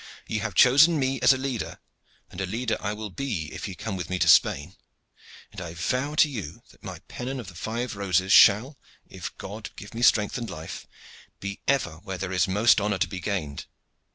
Ye have chosen me as a leader, and a leader I will be if ye come with me to Spain; and I vow to you that my pennon of the five roses shall, if God give me strength and life, be ever where there is most honor to be gained.